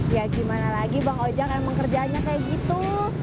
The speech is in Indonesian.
ya gimana lagi bang ojek emang kerjaannya kayak gitu